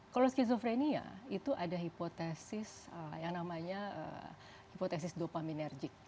kalau schizophrenia itu ada hipotesis yang namanya hipotesis dopaminergic